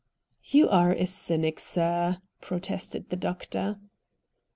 "You are a cynic, sir," protested the doctor.